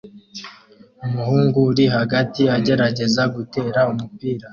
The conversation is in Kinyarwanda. Umuhungu uri hagati agerageza gutera umupira